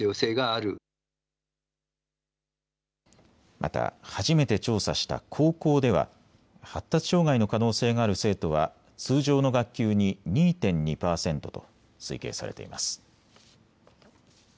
また初めて調査した高校では発達障害の可能性がある生徒は通常の学級に２．２％と推計されています。